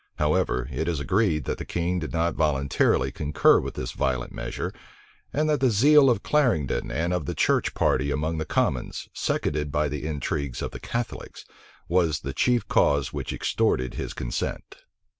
However, it is agreed that the king did not voluntarily concur with this violent measure; and that the zeal of Clarendon and of the church party among the commons, seconded by the intrigues of the Catholics, was the chief cause which extorted his consent.